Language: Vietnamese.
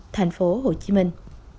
thành phố hồ chí minh